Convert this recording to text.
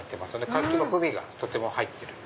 カキの風味がとても入ってる。